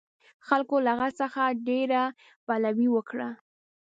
خلکو له هغه څخه ډېره پلوي وکړه.